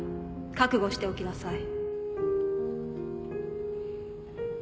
覚悟しておきなさい